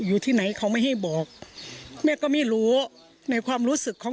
อยู่ที่ไหนเขาไม่ให้บอกแม่ก็ไม่รู้ในความรู้สึกของ